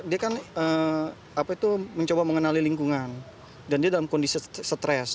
dia kan mencoba mengenali lingkungan dan dia dalam kondisi stres